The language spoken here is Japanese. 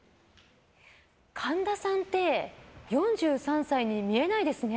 神田さんって４３才に見えないですね！